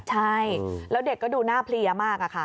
ใช่แล้วเด็กก็ดูหน้าเพลียมากอะค่ะ